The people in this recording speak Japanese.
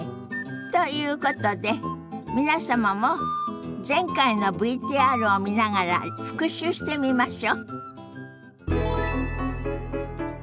ということで皆様も前回のＶＴＲを見ながら復習してみましょ。